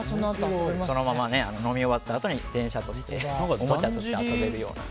そのまま、飲み終わったあとに電車として、おもちゃとして遊べるような。